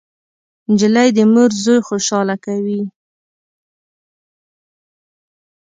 نجلۍ د مور زوی خوشحاله کوي.